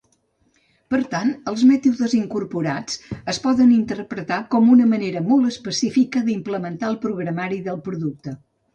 Per tant, els mètodes incorporats es poden interpretar com una manera molt específica d'implementar el programari del producte.